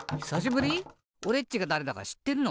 おれっちがだれだかしってるの？